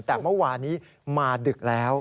แต่เมื่อวานี้มาดึกแล้ว